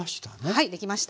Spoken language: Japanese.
はいできました。